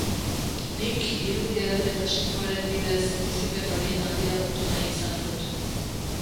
Nik irudiaren eta soinuaren bidez bizipen hori handiagotu nahi izan dut.